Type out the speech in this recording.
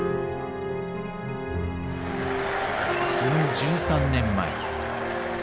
その１３年前。